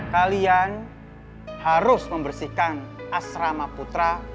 kalian harus membersihkan asrama putra